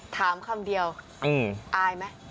ถามคำเดียวอายไหม